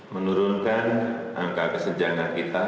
menurunkan angka kesenjangan kita